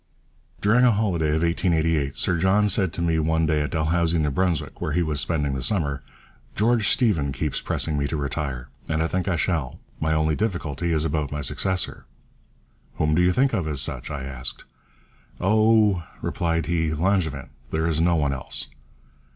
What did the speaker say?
During a holiday of 1888 Sir John said to me one day at Dalhousie, N.B., where he was spending the summer: 'George Stephen keeps pressing me to retire, and I think I shall. My only difficulty is about my successor.' 'Whom do you think of as such?' I asked. 'Oh,' replied he, 'Langevin; there is no one else.'